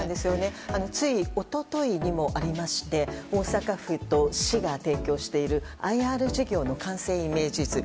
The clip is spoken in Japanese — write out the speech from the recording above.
つい一昨日にもありまして大阪府と市が提供しているＩＲ事業の完成イメージ図。